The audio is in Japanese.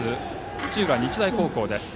土浦日大高校です。